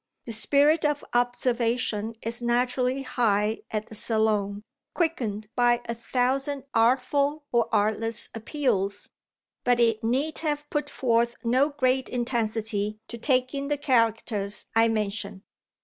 The spirit of observation is naturally high at the Salon, quickened by a thousand artful or artless appeals, but it need have put forth no great intensity to take in the characters I mention.